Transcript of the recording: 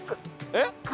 えっ？